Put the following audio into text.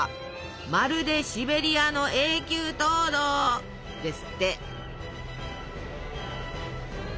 まるでシベリアの永久凍土！ですって。